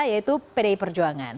yaitu pdi perjuangan